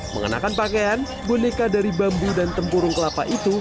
mengenakan pakaian boneka dari bambu dan tempurung kelapa itu